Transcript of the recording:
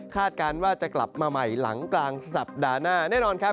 การว่าจะกลับมาใหม่หลังกลางสัปดาห์หน้าแน่นอนครับ